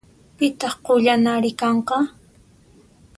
Pitaq qullanari kanqa?